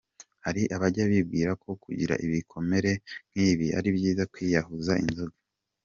Hari abajya bibwira ko gukira ibikomere nk’ibi ari byiza kwiyahuza inzoga.